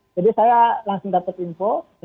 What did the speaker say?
jadi saya langsung dapat info